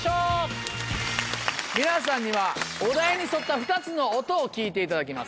皆さんにはお題に沿った２つの音を聞いていただきます。